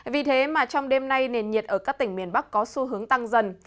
vì thế mà trong đêm nay nền nhiệt ở các tỉnh miền bắc có xu hướng tăng dần